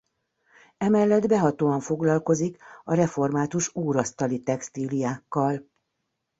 Emellett behatóan foglalkozik a református úrasztali textíliákkal.